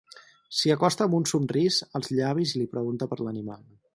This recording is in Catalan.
S'hi acosta amb un somrís als llavis i li pregunta per l'animal.